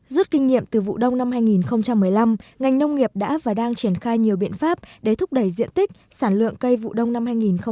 rút kinh nghiệm từ vụ đông năm hai nghìn một mươi năm ngành nông nghiệp đã và đang triển khai nhiều biện pháp để thúc đẩy diện tích sản lượng cây vụ đông năm hai nghìn một mươi chín